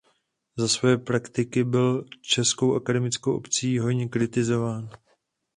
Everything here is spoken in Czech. Za svoje praktiky byl českou akademickou obcí hojně kritizován.